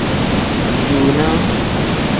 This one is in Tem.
Dunaa.